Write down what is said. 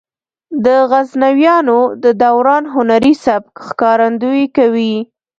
د غزنویانو د دوران هنري سبک ښکارندويي کوي.